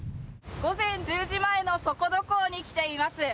午前１０時前の底土港に来ています。